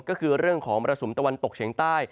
ก็คือเรื่องของมรสุมตะวันตกเฉียงใต้